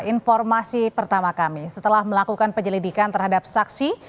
informasi pertama kami setelah melakukan penyelidikan terhadap saksi